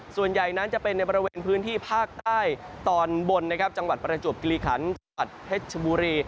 ส่วนใหญ่นั้นจะเป็นในบริเวณพื้นที่ภาคใต้ตอนบนนะครับจังหวัดประจวบกิริขันจังหวัดเพชรชบุรี